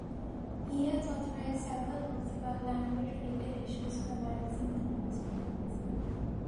He has authored several books about language-related issues for magazines and newspapers.